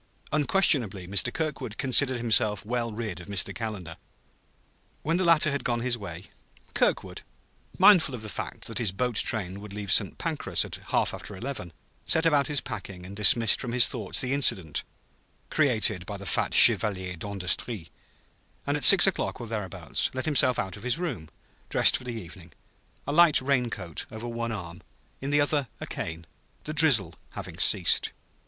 Unquestionably Mr. Kirkwood considered himself well rid of Mr. Calendar. When the latter had gone his way, Kirkwood, mindful of the fact that his boat train would leave St. Pancras at half after eleven, set about his packing and dismissed from his thoughts the incident created by the fat chevalier d'industrie; and at six o'clock, or thereabouts, let himself out of his room, dressed for the evening, a light rain coat over one arm, in the other hand a cane, the drizzle having ceased.